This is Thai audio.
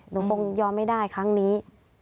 หนูคงยอมไม่ได้ครั้งนี้